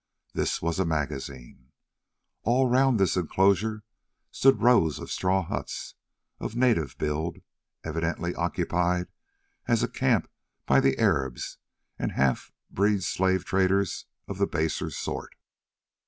This was a magazine. All round this enclosure stood rows of straw huts of a native build, evidently occupied as a camp by the Arabs and half breed slave traders of the baser sort.